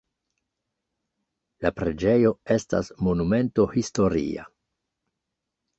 La preĝejo estas Monumento historia.